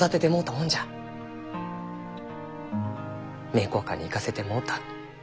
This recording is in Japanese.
・名教館に行かせてもろうた。